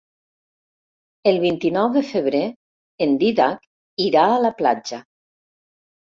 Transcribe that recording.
El vint-i-nou de febrer en Dídac irà a la platja.